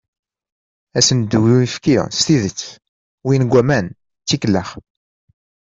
Asendu n uyefki s tidet, win n waman d tikellax.